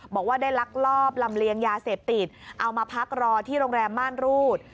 บอกว่าได้ลักลอบลำเลียงยาเสพติดเอามาพักรอที่โรงแรมม่านรูด